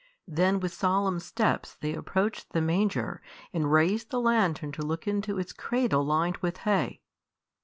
Then with solemn steps they approached the manger and raised the lantern to look into its cradle lined with hay.